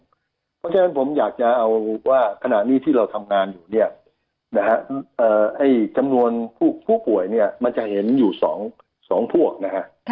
เพราะฉะนั้นผมอยากจะเอาว่าขณะนี้ที่เราทำงานอยู่เนี่ยนะฮะจำนวนผู้ป่วยเนี่ยมันจะเห็นอยู่๒พวกนะฮะ